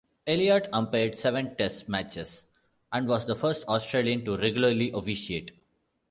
Elliott umpired seven Test matches, and was the first Australian to regularly officiate.